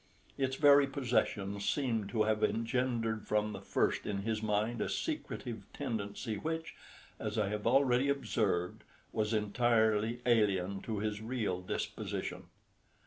Its very possession seemed to have engendered from the first in his mind a secretive tendency which, as I have already observed, was entirely alien to his real disposition.